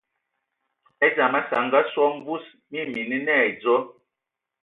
E dzam asǝ lə ngasō a mvus, mina mii nə ai dɔ.